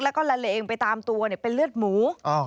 แล้วก็ละเลงไปตามตัวเป็นเลือดหมู